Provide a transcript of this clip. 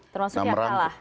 termasuk yang kalah